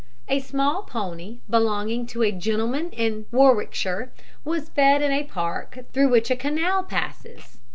A small pony, belonging to a gentleman in Warwickshire, was fed in a park through which a canal passes.